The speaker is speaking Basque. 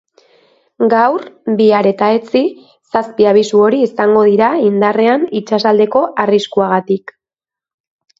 Gaur, bihar eta etzi zazpi abisu hori izango dira indarrean itsasaldeko arriskuagatik.